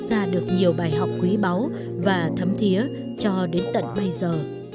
ra được nhiều bài học quý báu và thấm thiế cho đến tận bây giờ